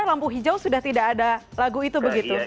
lampu hijau sudah tidak ada lagu itu begitu